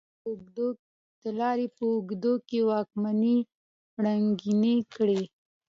د لارې په اوږدو کې واکمنۍ ړنګې کړې.